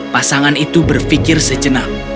pasangan itu berpikir sejenak